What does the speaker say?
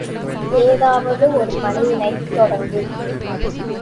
ஏதாவது ஒரு பணியினைத் தொடங்கு!